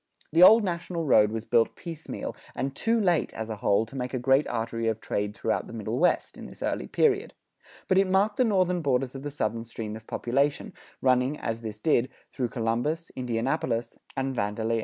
The Old National road was built piecemeal, and too late, as a whole, to make a great artery of trade throughout the Middle West, in this early period; but it marked the northern borders of the Southern stream of population, running, as this did, through Columbus, Indianapolis, and Vandalia.